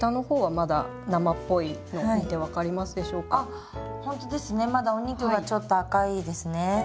まだお肉がちょっと赤いですね。